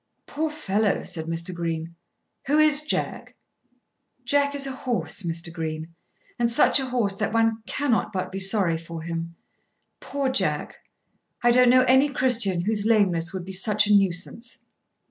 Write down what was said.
"Poor fellow," said Mr. Green. "Who is Jack?" "Jack is a horse, Mr. Green; and such a horse that one cannot but be sorry for him. Poor Jack! I don't know any Christian whose lameness would be such a nuisance."